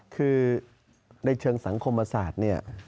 คือในเชิงสังคมอาศาสตร์